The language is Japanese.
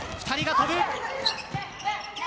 ２人が跳ぶ。